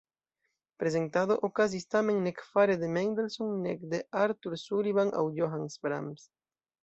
Prezentado okazis tamen nek fare de Mendelssohn nek de Arthur Sullivan aŭ Johannes Brahms.